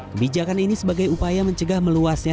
kebijakan ini sebagai upaya mencegah meluasnya